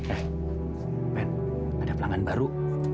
eh ben ada pelanggan baru